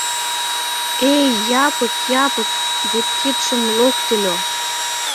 — Эй, Япык, Япык, вет кидшым локтыльо.